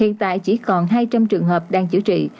hiện tại chỉ còn hai trăm linh trường hợp đang chữa trị